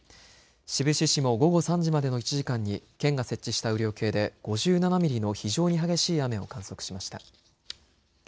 志布志市も午後３時までの１時間に県が設置した雨量計で５７ミリの非常に激しい雨を観測しました。